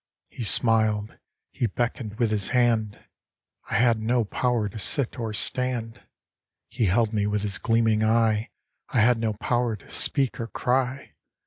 He smiled, he beckoned with his hand, I had no power to sit or stand, He held me with his gleaming eye, I had no power to speak or cry.